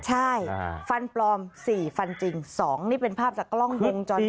ใช่ฟันปลอม๔ฟันจริง๒นี่เป็นภาพจากกล้องวงจรปิด